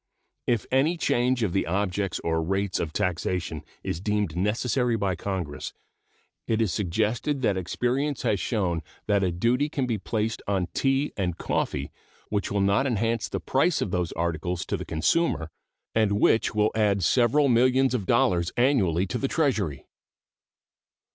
If any change of the objects or rates of taxation is deemed necessary by Congress, it is suggested that experience has shown that a duty can be placed on tea and coffee which will not enhance the price of those articles to the consumer, and which will add several millions of dollars annually to the Treasury.